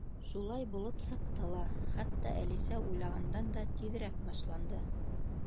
Шулай булып сыҡты ла —хатта Әлисә уйлағандан да тиҙерәк башланды.